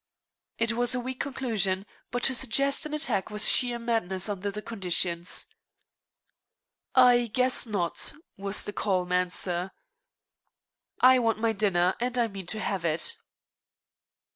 It was a weak conclusion, but to suggest an attack was sheer madness under the conditions. "I guess not," was the calm answer. "I want my dinner, and I mean to have it."